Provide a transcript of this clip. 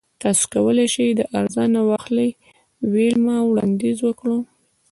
تاسو کولی شئ دا ارزانه واخلئ ویلما وړاندیز وکړ